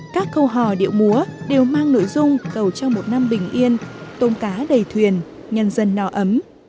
các cầu hò điệu múa đều mang nội dung cầu cho một năm bình yên tôm cá đầy thuyền nhân dân nọ ấm